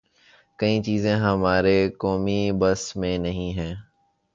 کئی چیزیں ہمارے قومی بس میں نہیں ہیں۔